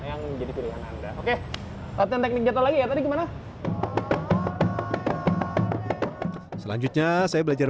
yang menjadi pilihan anda oke latihan teknik jatuh lagi ya tadi gimana selanjutnya saya belajar